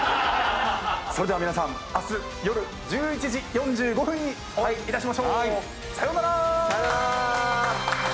それでは皆さん明日夜１１時４５分にお会いいたしましょう。さようなら！